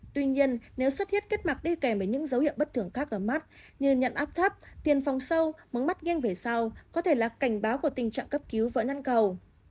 tuy nhiên nếu xuất hiện kết mạc đi kèm với những dấu hiệu bất thường khác ở mắt như nhận áp thấp tiền phong sâu mống mắt nghiêng về sau có thể là cảnh báo của tình trạng cấp cứu vỡ năn cầu